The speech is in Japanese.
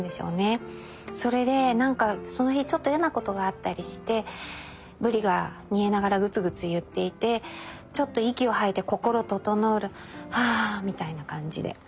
それでなんかその日ちょっと嫌なことがあったりして鰤が煮えながらグツグツいっていてちょっと息を吐いて心ととのふるあみたいな感じで。